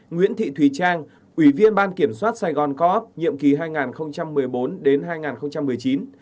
nguyễn thị thùy trang ủy viên ban kiểm soát saigon co op nhiệm ký hai nghìn một mươi bốn đến hai nghìn một mươi chín